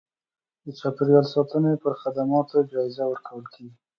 د چاپیریال ساتنې پر خدماتو جایزه ورکول کېږي.